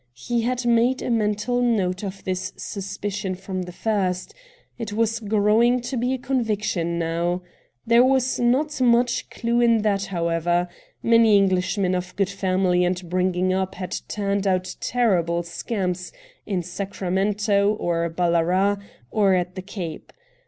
He had made a mental note of this suspicion from the first ; it was growing to be a conviction now. There was not much clue in that, however. Many Enghshmen of good family and bringing up had turned out ter rible scamps in Sacramento, or BaUarat, or at the Cape.